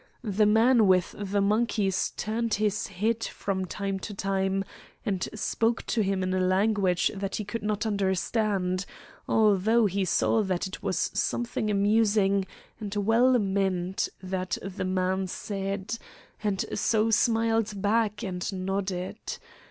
The man with the monkeys turned his head from time to time, and spoke to him in a language that he could not understand; although he saw that it was something amusing and well meant that the man said, and so smiled back and nodded.